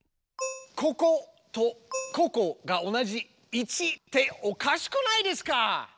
こことここが同じ１っておかしくないですか！？